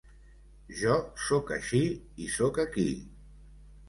Jo sóc així i sóc aquí.